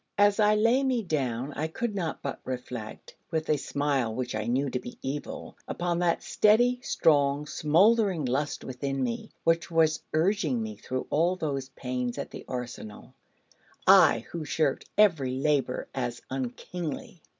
As I lay me down, I could not but reflect, with a smile which I knew to be evil, upon that steady, strong, smouldering lust within me which was urging me through all those pains at the Arsenal, I who shirked every labour as unkingly.